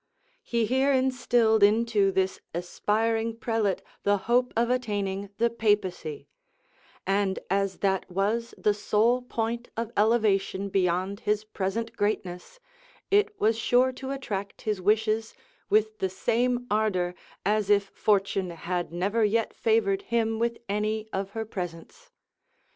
He here instilled into this aspiring prelate the hope of attaining the papacy; and as that was the sole point of elevation beyond his present greatness, it was sure to attract his wishes with the same ardor as if Fortune had never yet favored him with any of her presents.